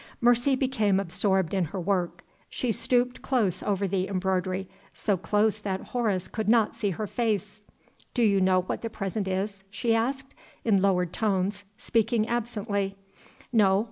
Mercy became absorbed in her work; she stooped close over the embroidery so close that Horace could not see her face. "Do you know what the present is?" she asked, in lowered tones, speaking absently. "No.